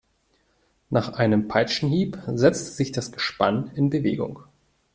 Nach einem Peitschenhieb setzte sich das Gespann in Bewegung.